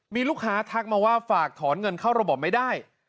มีลูกค้าทักมาว่าฝากถอนเงินเข้าระบบไม่ได้